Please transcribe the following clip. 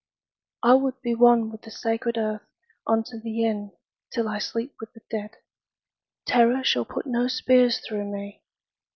I would be one with the sacred earth On to the end, till I sleep with the dead. Terror shall put no spears through me.